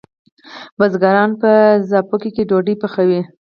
بزګران په څپیاکو ډوډئ پخوی